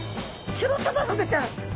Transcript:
シロサバフグちゃん！